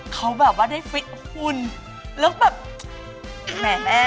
เขาแบบเรียบเธอได้คุ้นแล้วก็แบบ